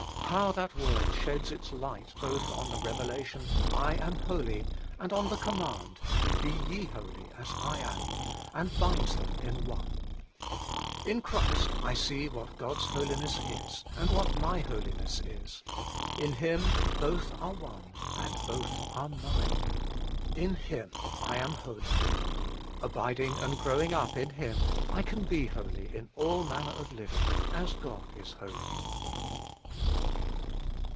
How that word sheds its light both on the revelation, ' I am holy/ and on the command, ' Be ye holy, as I am,' and binds them in one ! ID Christ I see what God's Holiness is, and what my holiness is. In Him both are one, and both are mine. In Him I am holy ; abiding and growing up in Him, I can be holy in all manner of living, as God is holy.